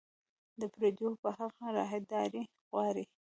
له پردیو به هغه راهداري غواړي